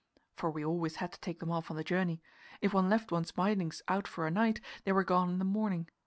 For we always had to take them off on the journey; if one left one's bindings out for a night, they were gone in the morning.